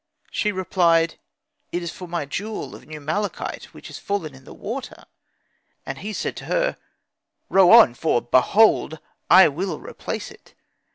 She replied, 'It is for my jewel of new malachite which is fallen in the water.' And he said to her, 'Row on, for behold I will replace it.'